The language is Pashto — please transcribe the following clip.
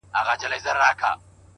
o هغه به اور له خپلو سترګو پرېولي ـ